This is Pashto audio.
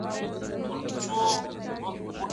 د پښتو ژبي لپاره املا یو ضروري کار دی.